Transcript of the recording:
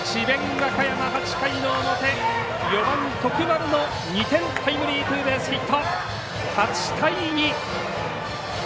和歌山、８回の表４番徳丸の２点タイムリーツーベースヒット８対２。